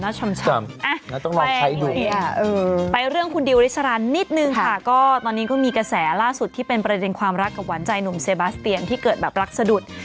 ชำไปเรื่องคุณดิวริชรันนิดนึงค่ะก็ตอนนี้ก็มีกระแสล่าสุดที่เป็นประเด็นความรักกับหวานใจหนุ่มเซบาสเตียนที่เกิดแบบรักสะดุด